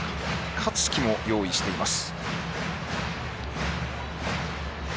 香月も用意しています。